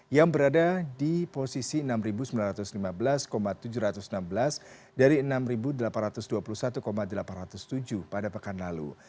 yang berada di posisi enam sembilan ratus lima belas tujuh ratus enam belas dari enam delapan ratus dua puluh satu delapan ratus tujuh pada pekan lalu